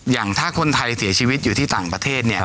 อย่างถ้าคนไทยเสียชีวิตอยู่ที่ต่างประเทศเนี่ย